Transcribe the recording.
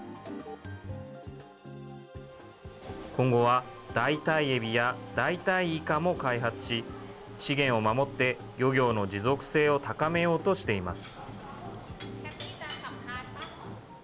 今後は、代替エビや代替イカも開発し、資源を守って、漁業の持続性を高めようとしています。